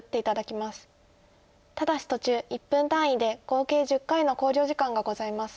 ただし途中１分単位で合計１０回の考慮時間がございます。